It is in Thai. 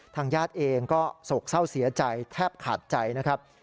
ญาติเองก็โศกเศร้าเสียใจแทบขาดใจนะครับ